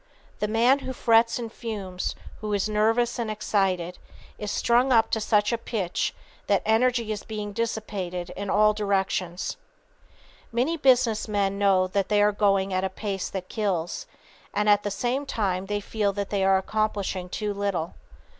The man who frets and fumes, who is nervous and excited, is strung up to such a pitch that energy is being dissipated in all directions." Many business men know they are going at a pace that kills, and at the same time they feel that they are accomplishing too little.